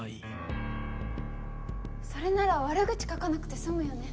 それなら悪口書かなくて済むよね。